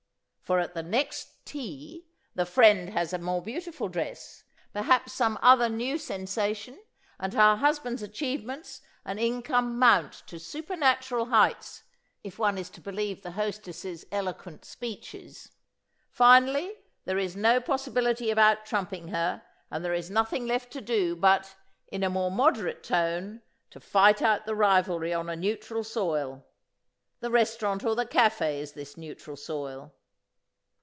For at the next 'tea' the friend has a more beautiful dress, perhaps some other new sensation, and her husband's achievements and income mount to supernatural heights, if one is to believe the hostess' eloquent speeches. Finally, there is no possibility of out trumping her and there is nothing left to do but, in a more moderate tone, to fight out the rivalry on a neutral soil. The restaurant or the café is this neutral soil."